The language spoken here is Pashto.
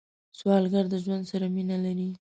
سوالګر د ژوند سره مینه لري